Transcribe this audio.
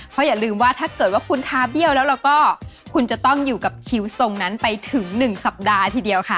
เพราะอย่าลืมว่าถ้าเกิดว่าคุณทาเบี้ยวแล้วเราก็คุณจะต้องอยู่กับคิวทรงนั้นไปถึง๑สัปดาห์ทีเดียวค่ะ